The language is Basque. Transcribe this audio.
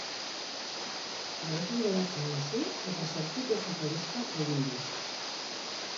Harekin jolasean hasi eta zortzi piezako diska egin du.